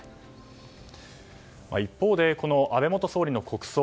一方で安倍元総理の国葬。